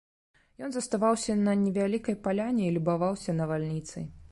Ён заставаўся на невялікай паляне і любаваўся навальніцай.